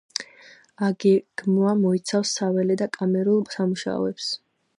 აგეგმვა მოიცავს საველე და კამერულ სამუშაოებს.